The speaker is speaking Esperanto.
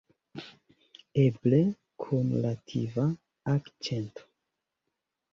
Eble, kun latva akĉento.